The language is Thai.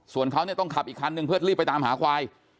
ส่วนเขาเนี่ยต้องขับอีกคันนึงเพื่อรีบไปตามหาควาย